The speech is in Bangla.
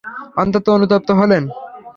অত্যন্ত অনুতপ্ত হলেন।